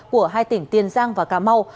của hai tỉnh tiền giang và cà mau